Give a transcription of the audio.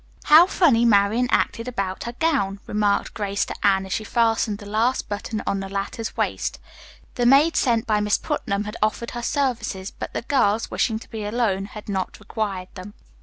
"How funny Marian acted about her gown," remarked Grace to Anne, as she fastened the last button on the latter's waist. The maid sent by Miss Putnam had offered her services, but the girls, wishing to be alone, had not required them.